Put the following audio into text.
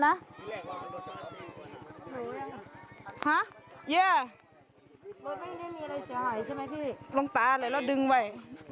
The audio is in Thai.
ฮะเย่รถไม่ได้มีอะไรเสียหายใช่ไหมพี่ลงตาเลยแล้วดึงไว้